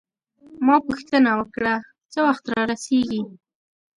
ما پوښتنه وکړه: څه وخت رارسیږي؟